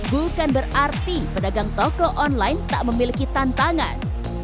bukan berarti pedagang toko online tak memiliki tantangan